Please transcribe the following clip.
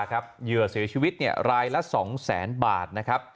เหยื่อเสียชีวิตรายละ๒๐๐๐๐๐บาท